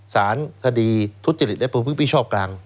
สารทดีร์ทุศจิริตและพระพุทธพิชาติกลาง